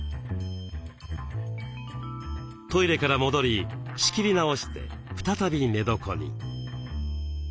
トイレから戻り仕切り直して再び寝床に。